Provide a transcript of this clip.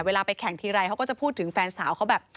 ไปแข่งทีไรเขาก็จะพูดถึงแฟนสาวเขาแบบ